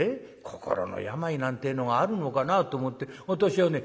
心の病なんてえのがあるのかなあと思って私はね